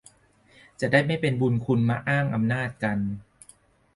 จะได้ไม่เป็นบุญคุณมาอ้างอำนาจกัน